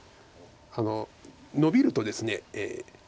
ノビるとですね